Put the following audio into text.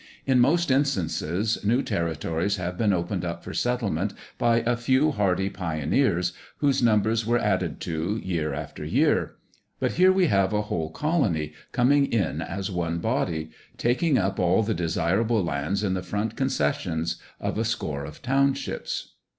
In most instances, new territories have been opened up for settlement by a few hardy pioneers, whose numbers were added to, year after year; but here we have a whole colony, coming in as one body, taking up all the desirable lands in the front concessions of a score of townships.